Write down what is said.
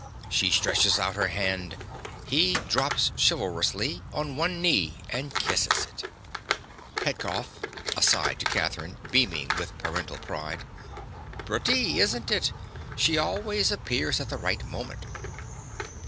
She stretches out her hand: he drops chivalrously on one knee and kisses it._) PETKOFF. (aside to Catherine, beaming with parental pride). Pretty, isn't it? She always appears at the right moment.